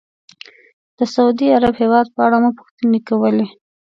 د سعودي عرب هېواد په اړه مو پوښتنې کولې.